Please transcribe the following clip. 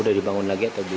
udah dibangun lagi atau belum